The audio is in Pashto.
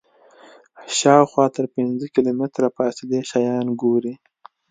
شاوخوا تر پنځه کیلومتره فاصلې شیان ګوري.